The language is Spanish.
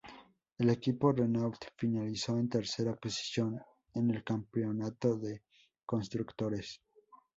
El equipo Renault finalizó en tercera posición en el Campeonato de Constructores.